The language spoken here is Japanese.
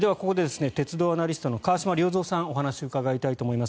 ここで鉄道アナリストの川島令三さんにお話を伺いたいと思います。